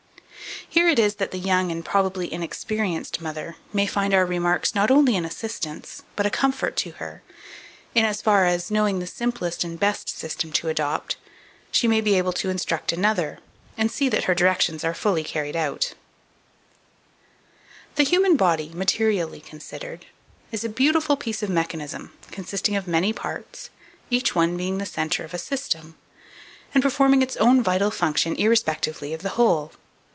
Here it is that the young and probably inexperienced mother may find our remarks not only an assistance but a comfort to her, in as far as, knowing the simplest and best system to adopt, she may be able to instruct another, and see that her directions are fully carried out. 2450. The human body, materially considered, is a beautiful piece of mechanism, consisting of many parts, each one being the centre of a system, and performing its own vital function irrespectively of the others, and yet dependent for its vitality upon the harmony and health of the whole.